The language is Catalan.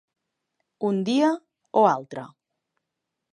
Un dia o altre.